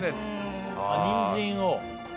にんじんを。